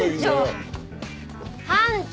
班長！